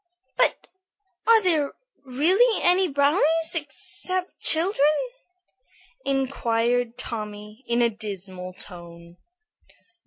"But are there really any brownies except children?" inquired Tommy, in a dismal tone.